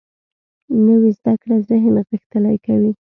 نوې زده کړه ذهن غښتلی کوي